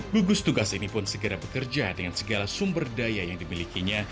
gugus tugas ini pun segera bekerja dengan segala sumber daya yang dimilikinya